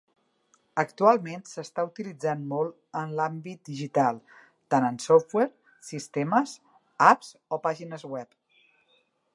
Actualment s’està utilitzant molt en l’àmbit digital tant en software, sistemes, apps o pàgines web.